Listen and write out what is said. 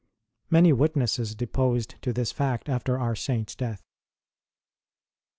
Many witnesses de posed to this fact after our Saint s death.